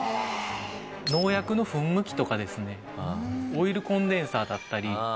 農薬の噴霧器とかですねオイルコンデンサーだったり。